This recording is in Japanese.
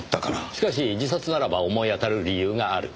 しかし自殺ならば思い当たる理由がある。